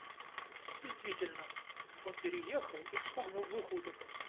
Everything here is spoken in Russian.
И действительно, он переехал и вспугнул двух уток.